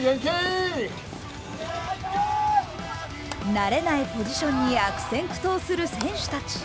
慣れないポジションに悪戦苦闘する選手たち。